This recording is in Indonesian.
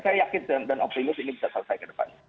saya yakin dan optimis ini bisa selesai ke depan